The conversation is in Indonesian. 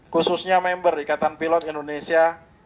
khususnya member ikatan pilot indonesia